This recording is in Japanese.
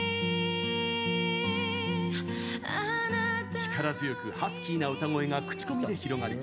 力強くハスキーな歌声が口コミで広がり